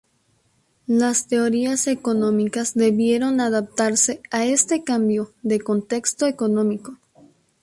Las teorías económicas debieron adaptarse a este cambio de contexto económico.